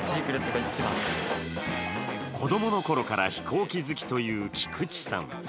子供の頃から飛行機好きという菊池さん。